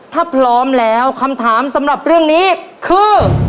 ถ้าพร้อมแล้วคำถามสำหรับเรื่องนี้คือ